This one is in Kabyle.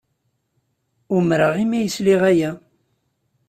Umreɣ imi ay sliɣ aya.